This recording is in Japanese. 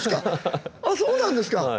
そうなんですか。